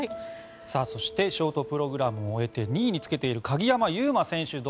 そしてショートプログラムを終えて２位につけている鍵山優真選手